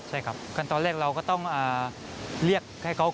ใช่ค่ะตอนนี้เราต้องไล่เรียกให้เขาก็